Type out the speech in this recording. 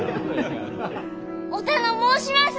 お頼申します！